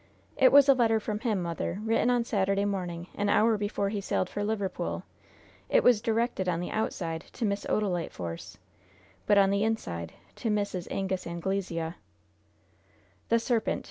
"It was a letter from him, mother, written on Saturday morning, an hour before he sailed for Liverpool. It was directed on the outside to Miss Odalite Force, but, on the inside, to Mrs. Angus Anglesea." "The serpent!